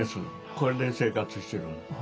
これで生活してるんです。